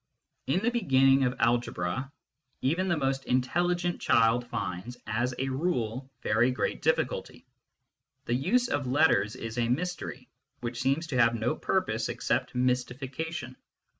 In the beginning of algebra, even the most intelligent child finds, as a rule, very great difficulty. The use of letters is a mystery, which seems to have no purpose except mystification.